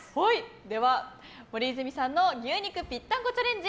では森泉さんの牛肉ぴったんこチャレンジ